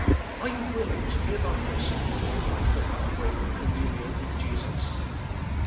Are you willing to g ive up yourself to a life of unbroken communion with Jesus?